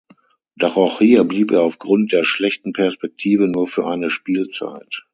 Doch auch hier blieb er aufgrund der schlechten Perspektive nur für eine Spielzeit.